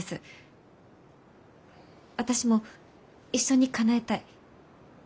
私も一緒にかなえたい。